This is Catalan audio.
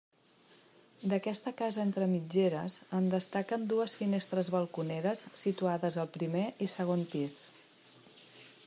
D'aquesta casa entre mitgeres en destaquen dues finestres balconeres situades al primer i segon pis.